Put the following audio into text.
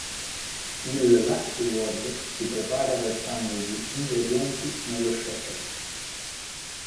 Il Last Word si prepara versando gli ingredienti nello shaker.